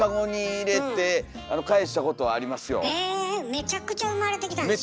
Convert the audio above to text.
めちゃくちゃ生まれてきたんでしょ？